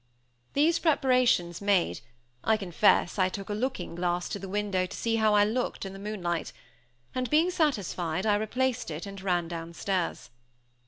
These preparations made, I confess I took a looking glass to the window to see how I looked in the moonlight; and being satisfied, I replaced it, and ran downstairs.